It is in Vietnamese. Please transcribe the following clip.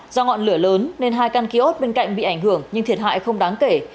do ngọn lửa lớn nên hai căn kiosk bên cạnh bị ảnh hưởng nhưng thiệt hại không đáng kể